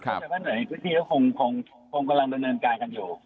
เข้าใจว่าหน่วยในพื้นที่ก็คงกำลังบรรเงินการกันอยู่